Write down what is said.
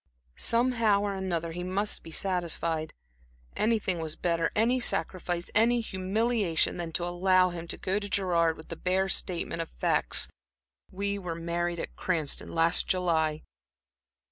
Somehow or another, he must be satisfied. Anything was better, any sacrifice, any humiliation, than to allow him to go to Gerard with that bare statement of facts, "We were married at Cranston, last July!"